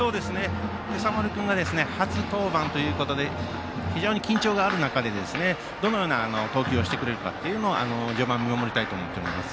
今朝丸君が初登板ということで非常に緊張がある中でどのような投球をしてくれるか序盤見守りたいと思っています。